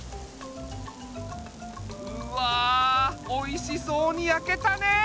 うわおいしそうにやけたね！